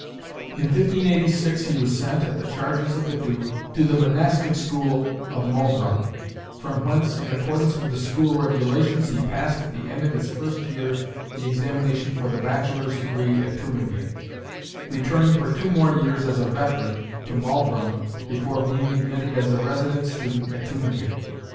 In 1586 he was sent, at the charges of the Duke, to the monastic school of Maulbronn; from whence, in accordance with the school regulations, he passed at the end of his first year the examination for the bachelor's degree at Tübingen, returning for two more years as a "veteran" to Maulbronn before being admitted as a resident student at Tübingen.